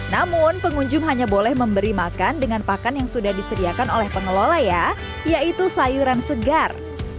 namun pengunjung hanya boleh memberi makan dengan pakan yang sudah disediakan oleh pengelola ya yaitu sayuran segar